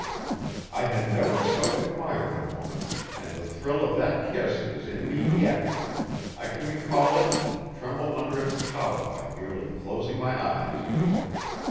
I had never so admired a woman, and the thrill of that kiss is in me yet; I can recall it and tremble under its power by merely closing my eyes.